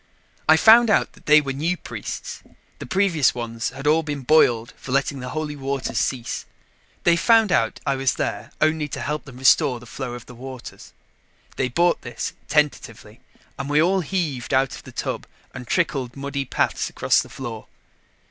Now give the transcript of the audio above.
I found out that they were new priests; the previous ones had all been boiled for letting the Holy Waters cease. They found out I was there only to help them restore the flow of the waters. They bought this, tentatively, and we all heaved out of the tub and trickled muddy paths across the floor.